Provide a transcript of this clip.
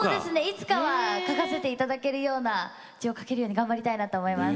いつかは書かせていただけるような字を書けるように頑張りたいなと思います。